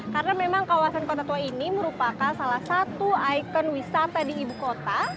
karena memang kawasan kota tua ini merupakan salah satu ikon wisata di ibu kota